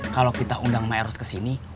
kalau kita undang maeros kesini